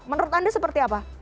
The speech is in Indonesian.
menurut anda seperti apa